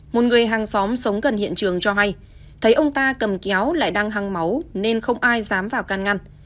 một người hàng xóm sống gần hiện trường cho hay thấy ông ta cầm kéo lại đang hăng máu nên không ai dám vào can ngăn